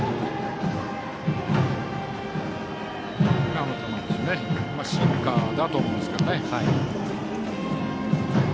今の球はシンカーだと思うんですけどね。